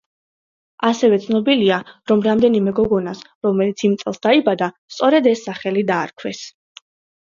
ასევე ცნობილია, რომ რამდენიმე გოგონას, რომელიც იმ წელს დაიბადა, სწორედ ეს სახელი დაარქვეს.